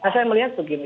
saya melihat tuh gini